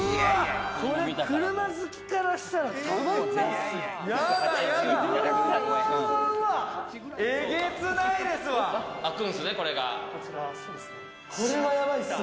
車好きからしたら、たまんないっすよ。